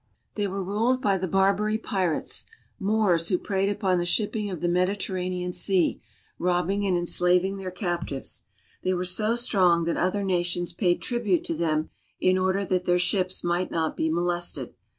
They were ruled by the Barbary pirates. Moors who preyed upon the shipping of the Mediterranean Sea, robbing and enslaving their captives. They were so strong that other nations paid tribute to them in order that their ships might not be molested.